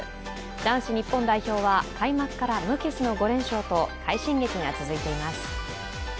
男子日本代表は開幕から無傷の５連勝と快進撃が続いています。